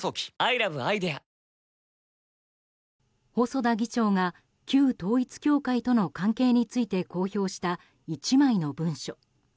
細田議長が旧統一教会との関係について公表した１枚の文書。